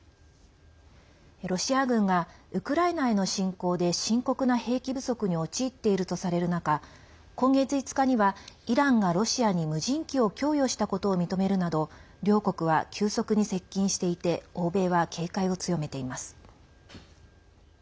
ロシア軍がウクライナへの侵攻で深刻な兵器不足に陥っているとされる中今月５日には、イランがロシアに無人機を供与したことを認めるなど両国は急速に接近していて欧米は警戒を強めています。